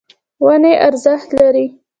ونې ارزښت لري.